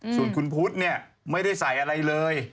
ส่วนคุณพุธไม่ได้ใส่อะไรเลย